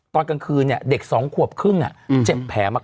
ตอนกลางคืนเด็ก๒ขวบครึ่งเจ็บแผลมาก